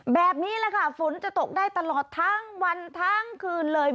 แบบนี้แหละค่ะฝนจะตกได้ตลอดทั้งวันทั้งคืนเลย